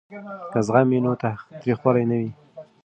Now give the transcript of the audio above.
که زغم وي نو تریخوالی نه وي.